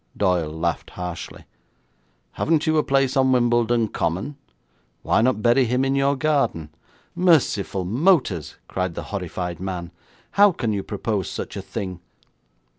Doyle laughed harshly. 'Haven't you a place on Wimbledon Common? Why not bury him in your garden?' 'Merciful motors!' cried the horrified man. 'How can you propose such a thing?